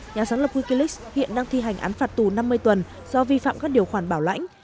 nhà sáng lập wikileaks hiện đang thi hành án phạt tù năm mươi tuần do vi phạm các điều khoản bảo lãnh